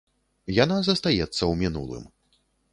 Яна застаецца ў мінулым.